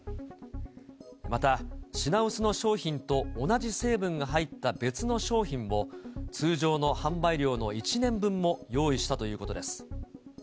また品薄の商品と同じ成分が入った別の商品を、通常の販売量の１年分も用意したということです。